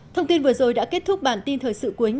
thông tin vừa rồi đã kết thúc bản tin thời sự